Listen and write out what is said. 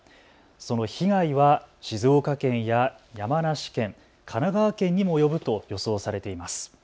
その被害は静岡県や山梨県、神奈川県にも及ぶと予想されています。